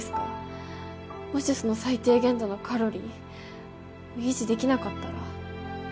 もしその最低限度のカロリー？を維持できなかったら？